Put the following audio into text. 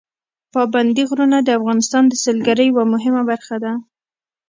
پابندي غرونه د افغانستان د سیلګرۍ یوه مهمه برخه ده.